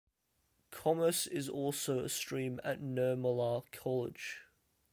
Commerce is also a stream at Nirmala College.